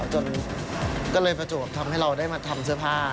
จนก็เลยประจวบทำให้เราได้มาทำเสื้อผ้า